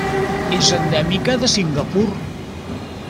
És endèmica de Singapur.